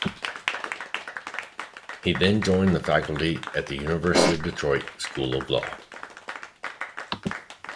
He then joined the faculty at the University of Detroit School of Law.